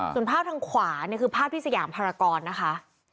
ส่วนภาพทางขวาเนี่ยคือภาพที่สยามภารกรนะคะ